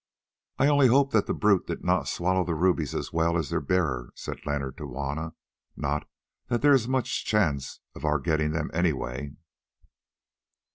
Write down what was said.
"I only hope that the brute did not swallow the rubies as well as their bearer," said Leonard to Juanna; "not that there is much chance of our getting them, anyway."